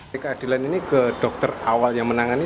di keadilan ini ke dokter awal yang menangani